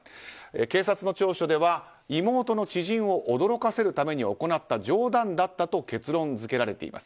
警察の調書では妹の知人を驚かせるために行った冗談だったと結論付けられています。